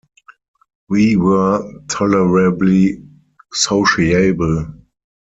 We were tolerably sociable.